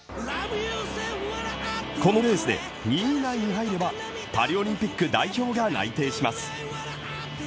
このレースで２位以内に入ればパリオリンピック代表が内定します。